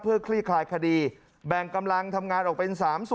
เพื่อคลี่คลายคดีแบ่งกำลังทำงานออกเป็น๓ส่วนนะครับรวบรวมหลักฐาน